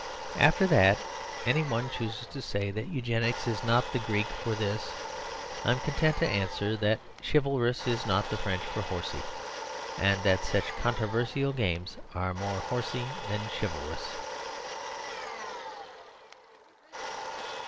If after that anyone chooses to say that Eugenics is not the Greek for this I am content to answer that "chivalrous" is not the French for "horsy"; and that such controversial games are more horsy than chivalrous.